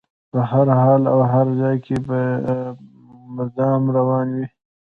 په هر حال او هر ځای کې به مدام روان وي.